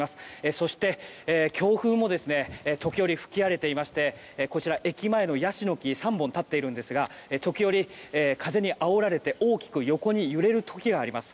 そして強風も時折、吹き荒れていましてこちら、駅前のヤシの木３本立っているんですが時折、風にあおられて大きく横に揺れる時があります。